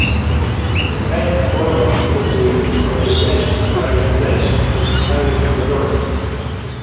The pace and form of industry liberalization and privatization has been highly controversial.